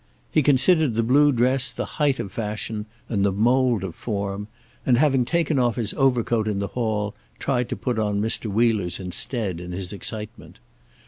He considered the blue dress the height of fashion and the mold of form, and having taken off his overcoat in the hall, tried to put on Mr. Wheeler's instead in his excitement.